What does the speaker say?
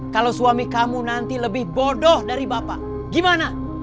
kalau suami kamu nanti lebih bodoh dari bapak gimana